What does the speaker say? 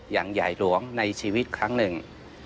อย่างใหญ่หลวงในชีวิตครั้งหนึ่ง